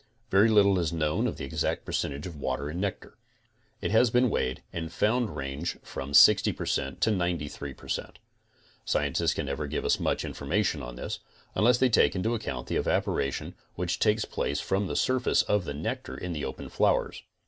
Very little is known of the exact percentage of water in nectar. It has been weighed and found range from 60% to 93%. Scientists can never give us much in formation on this, unless they take into account the evaporation which takes place from the surface of the nectar in the open flowers.